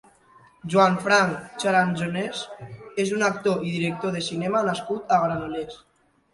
Joan Frank Charansonnet és un actor i director de cinema nascut a Granollers.